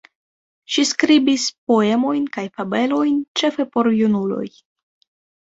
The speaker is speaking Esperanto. Ŝi skribis poemojn kaj fabelojn ĉefe por junuloj.